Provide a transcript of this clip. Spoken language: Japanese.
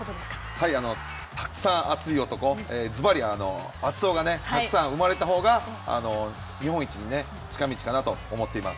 はい、たくさん熱い男、ずばり熱男がね、たくさん生まれたほうが、日本一への近道かなと思っています。